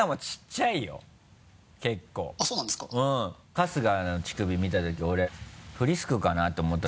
春日の乳首見たとき俺フリスクかな？って思った。